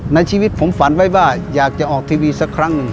ในชีวิตผมฝันไว้ว่าอยากจะออกทีวีสักครั้งหนึ่ง